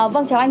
vâng chào anh